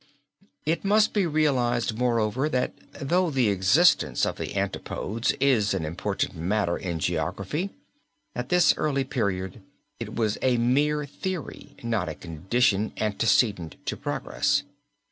It must be realized, moreover, that though the existence of the Antipodes is an important matter in geography, at this early period it was a mere theory, not a condition antecedent to progress.